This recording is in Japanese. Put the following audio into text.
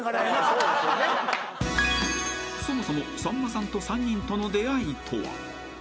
［そもそもさんまさんと３人との出会いとは？